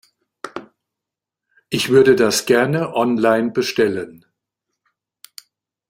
Ich würde das gerne online bestellen.